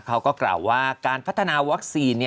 เขาก็กล่าวว่าการพัฒนาวัคซีน